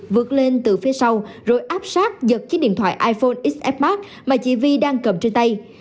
vượt lên từ phía sau rồi áp sát giật chiếc điện thoại iphone xs mark mà chị vi đang cầm trên tay